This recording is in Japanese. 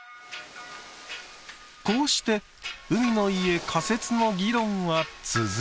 こうして海の家仮説の議論は続く。